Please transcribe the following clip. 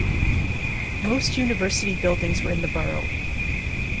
Most university buildings were in the borough.